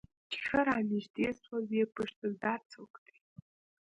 چې ښه رانژدې سوه ويې پوښتل دا څوک دى.